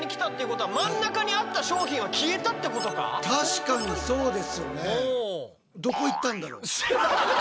確かにそうですよね。